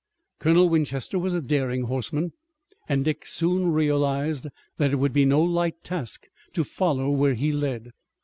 Colonel Winchester was a daring horseman, and Dick soon realized that it would be no light task to follow where he led.